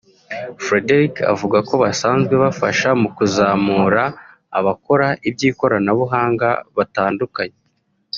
Frederick avuga ko basanzwe bafasha mu kuzamura abakora iby’ikoranabuhanga batandukanye